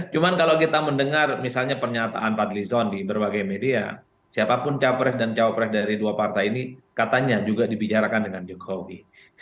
cuma kalau kita mendengar misalnya pernyataan fadlizon di berbagai media siapapun capres dan cawapres dari dua partai ini katanya juga dibicarakan dengan jokowi